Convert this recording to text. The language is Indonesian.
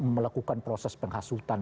melakukan proses penghasutan